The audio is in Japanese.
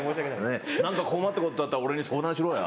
何か困ったことあったら俺に相談しろよ。